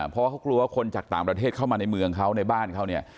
เพราะเขากลัวว่าคนจากต่างประเทศเข้ามาในเมืองเขาในบ้านเขาเนี่ย